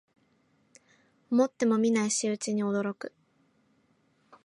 思ってもみない仕打ちに驚く